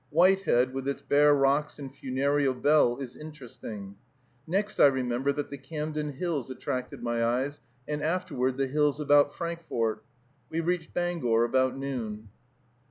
Whitehead, with its bare rocks and funereal bell, is interesting. Next I remember that the Camden Hills attracted my eyes, and afterward the hills about Frankfort. We reached Bangor about noon.